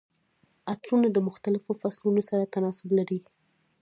عطرونه د مختلفو فصلونو سره تناسب لري.